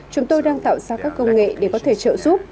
chúng tôi đang tạo ra các công nghệ để có thể trợ giúp